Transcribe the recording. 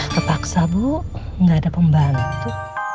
kepaksa bu gak ada pembantu